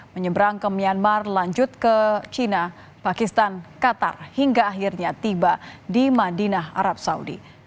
menyeberang ke myanmar lanjut ke china pakistan qatar hingga akhirnya tiba di madinah arab saudi